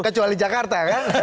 kecuali jakarta kan